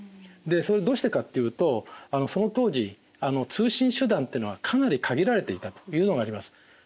でそれどうしてかっていうとその当時通信手段ってのはかなり限られていたというのがあります。